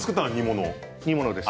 煮物です。